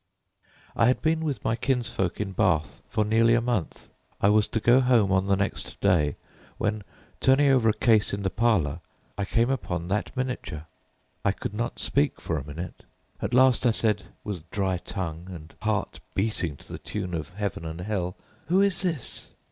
"I had been with my kinsfolk at Bath nearly a month. I was to go home on the next day, when, turning over a case in the parlour, I came upon that miniature. I could not speak for a minute. At last I said, with dry tongue, and heart beating to the tune of heaven and hell— "'Who is this?'